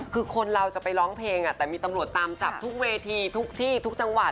คือคนเราจะไปร้องเพลงแต่มีตำรวจตามจับทุกเวทีทุกที่ทุกจังหวัด